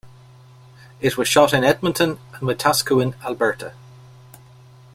It was shot in Edmonton and Wetaskiwin, Alberta.